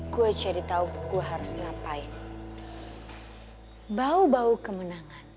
gue cari tahu gue harus ngapain bau bau kemenangan